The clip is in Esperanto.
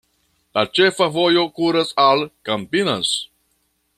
La ĉefa vojo kuras al Campinas.